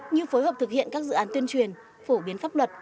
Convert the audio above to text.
như phối hợp thực hiện các dự án tuyên truyền phổ biến pháp luật